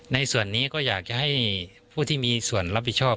ในส่วนนี้ก็อยากจะให้ผู้ที่มีส่วนรับผิดชอบ